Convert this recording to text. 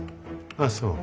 ああそう。